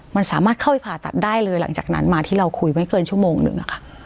มันสามารถเข้าไปผ่าตัดได้เลยหลังจากนั้นมาที่เราคุยไม่เกินชั่วโมงนึงอะค่ะ